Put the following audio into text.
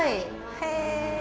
へえ。